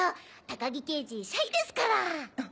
高木刑事シャイですから。